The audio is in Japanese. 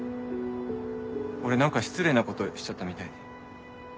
俺何か失礼なことしちゃったみたいで。